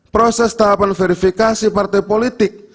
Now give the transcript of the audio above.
proses tahapan verifikasi partai politik